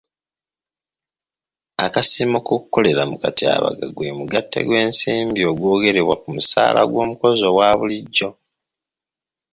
Akasiimo k'okukolera mu katyabaga gwe mugatte gw'ensimbi ogw'ongerebwa ku musaala gw'omukozi ogwa bulijjo.